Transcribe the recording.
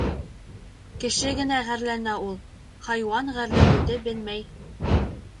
Кеше генә ғәрләнә ул. Хайуан ғәрләнеүҙе белмәй.